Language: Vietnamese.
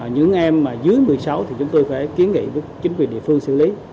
những em mà dưới một mươi sáu thì chúng tôi phải kiến nghị với chính quyền địa phương xử lý